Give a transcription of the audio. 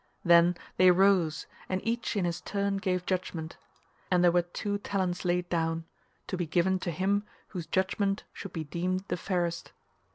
Then they rose and each in his turn gave judgement, and there were two talents laid down, to be given to him whose judgement should be deemed the fairest.